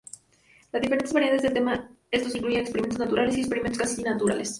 Las diferentes variantes del tema estos incluyen experimentos naturales y experimentos cuasi-naturales.